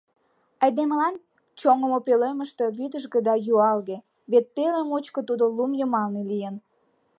Айдемылан чоҥымо пӧлемыште вӱдыжгӧ да юалге - вет теле мучко тудо лум йымалне лийын.